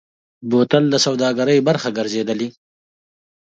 بوتل د سوداګرۍ برخه ګرځېدلی.